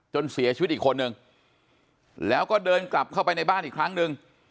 เสียชีวิตอีกคนนึงแล้วก็เดินกลับเข้าไปในบ้านอีกครั้งหนึ่ง